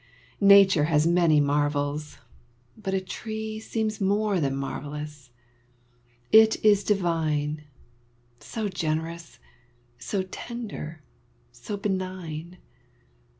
Nature has many marvels; but a tree Seems more than marvellous. It is divine. So generous, so tender, so benign.